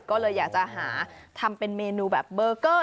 ก็เลยอยากจะหาทำเป็นเมนูแบบเบอร์เกอร์